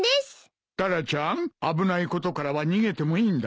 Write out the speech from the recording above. タラちゃん危ないことからは逃げてもいいんだよ。